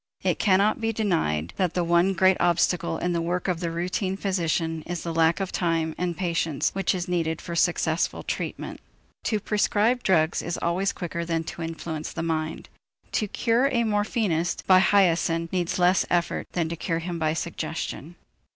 It cannot be denied that the one great obstacle in the work of the routine physician is the lack of time and patience which is needed for successful treatment. To prescribe drugs is always quicker than to influence the mind; to cure a morphinist by hyoscine needs less effort than to cure him by suggestion.